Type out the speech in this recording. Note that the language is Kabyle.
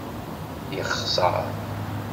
Yexṣeṛ.